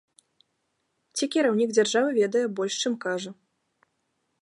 Ці кіраўнік дзяржавы ведае больш, чым кажа.